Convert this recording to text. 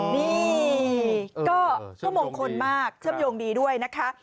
นี่ก็ช่วงโยงคนมากช่วงโยงดีด้วยนะคะ